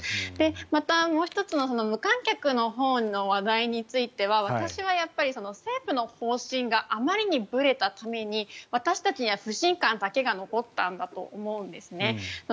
また、もう１つの無観客のほうの話題については私はやっぱり政府の方針があまりにぶれたために私たちには不信感だけが残ったんだと思うんですね。